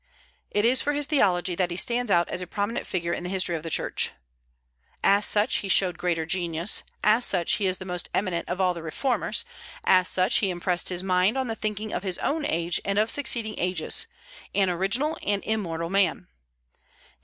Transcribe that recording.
It is for his theology that he stands out as a prominent figure in the history of the Church. As such he showed greater genius; as such he is the most eminent of all the reformers; as such he impressed his mind on the thinking of his own age and of succeeding ages, an original and immortal man.